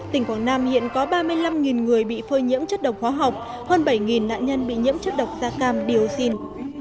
tỉnh quảng nam hiện có ba mươi năm người bị phơi nhiễm chất độc hóa học hơn bảy nạn nhân bị nhiễm chất độc da cam dioxin